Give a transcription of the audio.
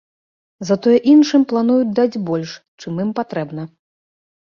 Затое іншым плануюць даць больш, чым ім патрэбна.